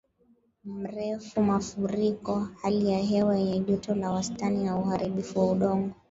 mrefu mafuriko hali ya hewa yenye joto la wastani na uharibifu wa udongo